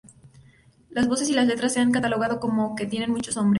Las voces y las letras se han catalogado como que contienen "muchos hombres".